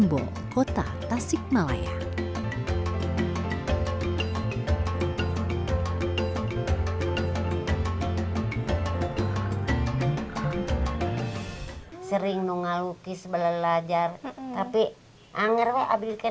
di kota asalnya payung gelis terlihat menghiasi berbagai sudut kota